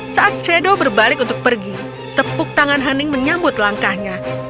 saat shadow berbalik untuk pergi tepuk tangan haning menyambut langkahnya